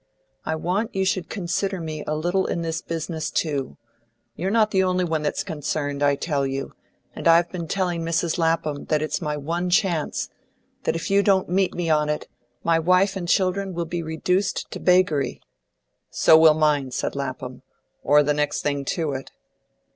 And I want you should consider me a little in this business too; you're not the only one that's concerned, I tell you, and I've been telling Mrs. Lapham that it's my one chance; that if you don't meet me on it, my wife and children will be reduced to beggary." "So will mine," said Lapham, "or the next thing to it."